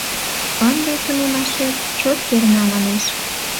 Ынде тунемашет чот перна, манеш.